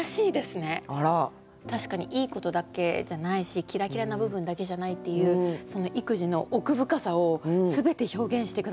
確かにいいことだけじゃないしキラキラな部分だけじゃないっていう育児の奥深さを全て表現して下さってるなと思って。